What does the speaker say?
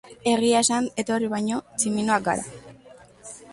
Egia esan, etorri baino, tximinoak gara.